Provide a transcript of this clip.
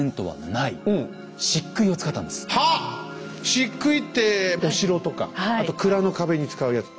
しっくいってお城とかあと蔵の壁に使うやつ。